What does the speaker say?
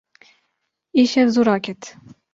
Îşev zû raket.